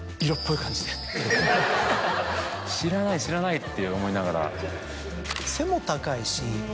知らない知らない！って思いながら。